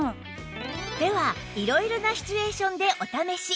では色々なシチュエーションでお試し